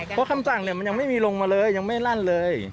เพราะคำสั่งมันยังไม่มีลงมาเลยยังไม่ลั่นเลย